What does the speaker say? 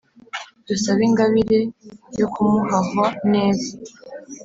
dusabe ingabire yo kumuhahwa neza.